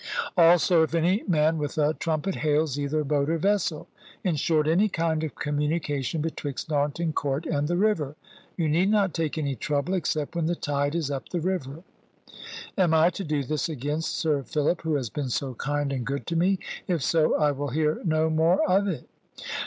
Also, if any man with a trumpet hails either boat or vessel. In short, any kind of communication betwixt Narnton Court and the river. You need not take any trouble, except when the tide is up the river." "Am I to do this against Sir Philip, who has been so kind and good to me? If so, I will hear no more of it."